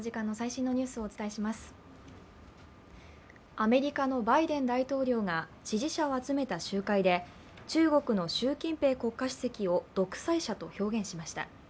アメリカのバイデン大統領が支持者を集めた集会で中国の習近平国家主席を独裁者と表現しました。